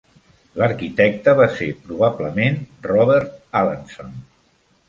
L'arquitecte va ser probablement Robert Allanson.